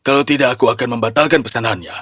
kalau tidak aku akan membatalkan pesanannya